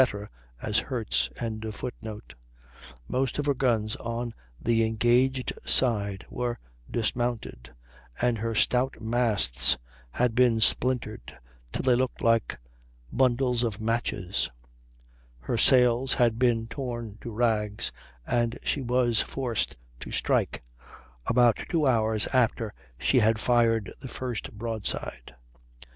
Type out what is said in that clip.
as hurts.] most of her guns on the engaged side were dismounted, and her stout masts had been splintered till they looked like bundles of matches; her sails had been torn to rags, and she was forced to strike, about two hours after she had fired the first broadside.